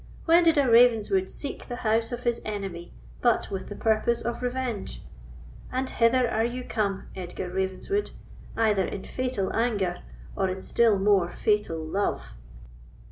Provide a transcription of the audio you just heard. When did a Ravenswood seek the house of his enemy but with the purpose of revenge? and hither are you come, Edgar Ravenswood, either in fatal anger or in still more fatal love."